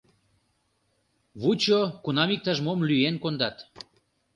Вучо, кунам иктаж-мом лӱен кондат...